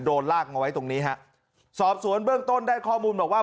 ลากมาไว้ตรงนี้ฮะสอบสวนเบื้องต้นได้ข้อมูลบอกว่า